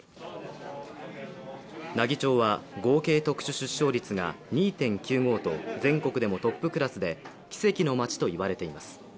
奈義町は合計特殊出生率が２．９５と全国でもトップクラスで奇跡の町といわれています。